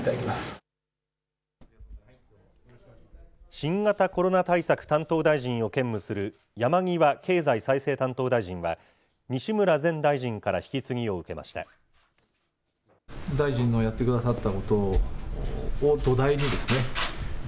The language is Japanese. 新型コロナ対策担当大臣を兼務する山際経済再生担当大臣は、西村前大臣から引き継ぎを受けました。